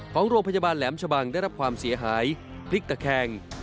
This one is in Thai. ของโรงพยาบาลแหลมชะบังได้รับความเสียหายพลิกตะแคง